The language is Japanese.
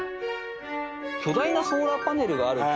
巨大なソーラーパネルがあるって。